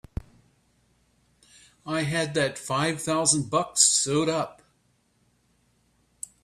I had that five thousand bucks sewed up!